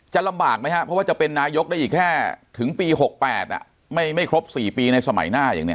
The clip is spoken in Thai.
ลำบากไหมครับเพราะว่าจะเป็นนายกได้อีกแค่ถึงปี๖๘ไม่ครบ๔ปีในสมัยหน้าอย่างนี้